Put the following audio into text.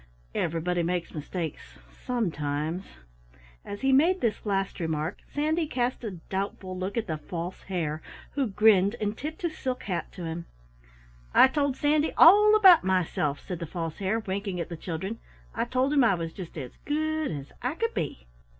Everybody makes mistakes sometimes!" As he made this last remark Sandy cast a doubtful look at the False Hare, who grinned and tipped his silk hat to him. "I told Sandy all about myself," said the False Hare, winking at the children. "I told him I was just as good as I could be!"